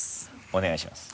お願いします。